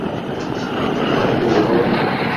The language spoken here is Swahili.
Pasi ni ya nani.